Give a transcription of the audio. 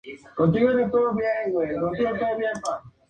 Su hermano Gastón tenía una banda con sus amigos, ensayaban en su casa.